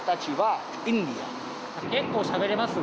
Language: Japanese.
結構しゃべれますね。